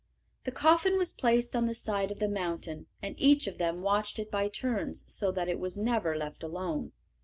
The coffin was placed on the side of the mountain, and each of them watched it by turns, so that it was never left alone.